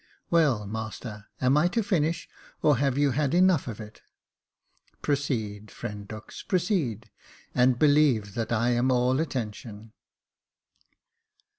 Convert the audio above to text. " Well, master, am I to finish, or have you had enough of it?" "Proceed, friend Dux, proceed; and believe that I am all attention."